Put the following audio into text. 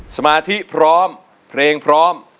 สมาธิพร้อมเพลงพร้อม